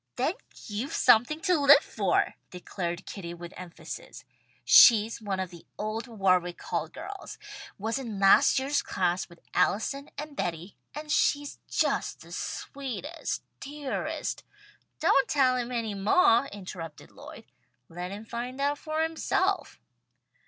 "Then you've something to live for!" declared Kitty with emphasis. "She's one of the old Warwick Hall girls. Was in last year's class with Allison and Betty, and she's just the sweetest, dearest " "Don't tell him any moah," interrupted Lloyd. "Let him find out for himself."